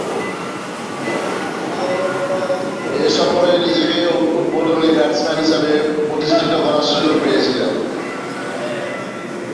এ সফরে নিজেকে উদ্বোধনী ব্যাটসম্যান হিসেবে প্রতিষ্ঠিত করার সুযোগ পেয়েছিলেন।